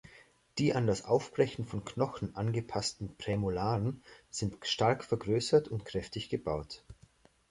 Die an das Aufbrechen von Knochen angepassten Prämolaren sind stark vergrößert und kräftig gebaut.